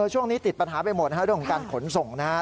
ช่วงนี้ติดปัญหาไปหมดนะครับเรื่องของการขนส่งนะครับ